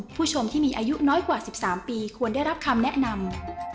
ผู้ชมที่มีอายุน้อยกว่า๑๓ปีควรได้รับคำแนะนำ